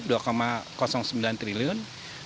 pada tahun dua ribu tujuh belas dua sembilan triliun